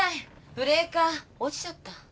ブレーカー落ちちゃった。